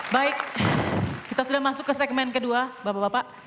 baik kita sudah masuk ke segmen kedua bapak bapak